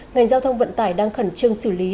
ngành giao thông vận tải đang khẩn trương xử lý